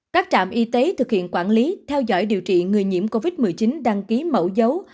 các trạm y tế thực hiện quản lý theo dõi điều trị người nhiễm covid một mươi chín đăng ký mẫu dấu